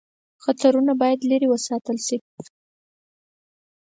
خطرونه باید لیري وساتل شي.